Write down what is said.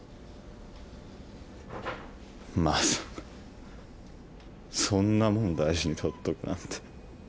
まさかそんなもん大事に取っとくなんて。